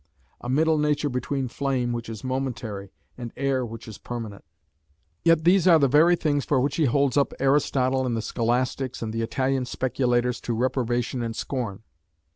... "a middle nature between flame, which is momentary, and air which is permanent." Yet these are the very things for which he holds up Aristotle and the Scholastics and the Italian speculators to reprobation and scorn.